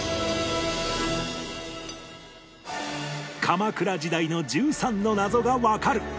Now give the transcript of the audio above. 鎌倉時代の１３の謎がわかる！